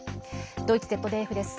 ドイツＺＤＦです。